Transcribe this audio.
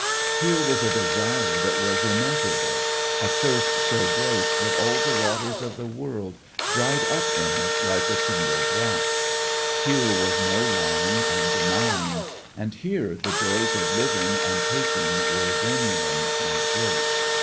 Here was a desire that was immeasurable, a thirst so great that all the waters of the world dried up in it like a single drop. Here was no lying and denying, and here the joys of giving and taking were genuine and great.